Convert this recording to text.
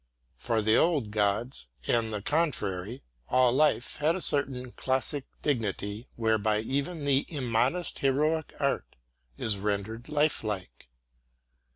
For the old gods, on the contrary, all life had a certain classic dignity whereby even the immodest heroic art is rendered lifelike.